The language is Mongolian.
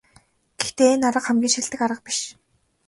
Гэхдээ энэ арга хамгийн шилдэг арга биш.